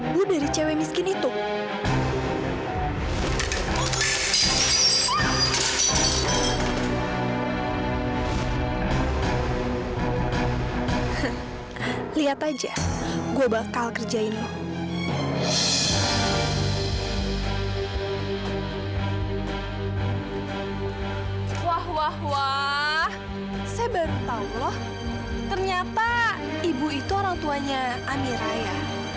pak itu bukan salah saya itu salahnya dia